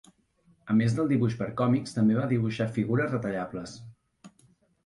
A més del dibuix per còmics també va dibuixar figures retallables.